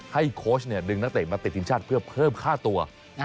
โค้ชดึงนักเตะมาติดทีมชาติเพื่อเพิ่มค่าตัว